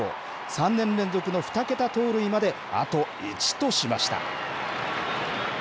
３年連続の２桁盗塁まであと１としました。